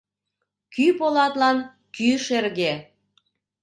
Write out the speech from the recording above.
Кӱ полатлан кӱ шерге